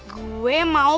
gue mau pokoknya harus